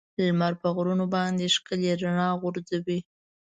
لمر په غرونو باندې ښکلي رڼا غورځوي.